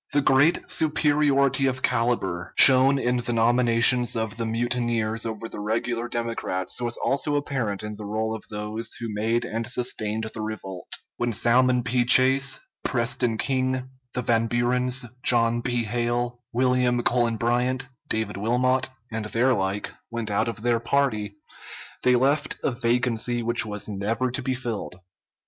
The great superiority of caliber shown in the nominations of the mutineers over the regular Democrats was also apparent in the roll of those who made and sustained the revolt. When Salmon P. Chase, Preston King, the Van Burens, John P. Hale, William Cullen Bryant, David Wilmot, and their like went out of their party, they left a vacancy which was never to be filled.